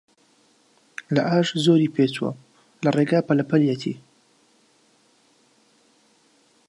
لە ئاش زۆری پێچووە، لە ڕێگا پەلە پەلیەتی